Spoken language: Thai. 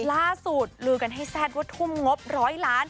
ล่าสุดลือกันให้แซ่ดว่าทุ่มงบร้อยล้าน